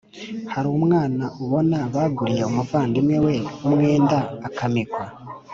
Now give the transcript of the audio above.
hari umwana ubona baguriye umuvandimwe we umwenda akamikwa.